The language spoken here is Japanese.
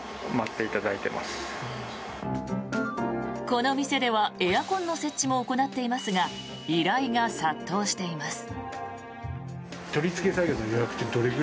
この店ではエアコンの設置も行っていますが依頼が殺到しています。